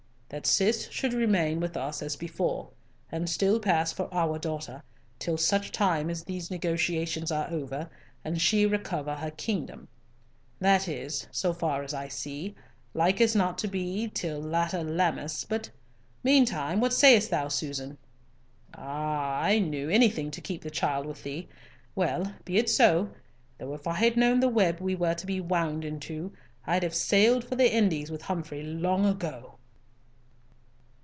"That Cis should remain with us as before, and still pass for our daughter, till such time as these negotiations are over, and she recover her kingdom. That is—so far as I see—like not to be till latter Lammas—but meantime what sayest thou, Susan? Ah! I knew, anything to keep the child with thee! Well, be it so—though if I had known the web we were to be wound into, I'd have sailed for the Indies with Humfrey long ago!"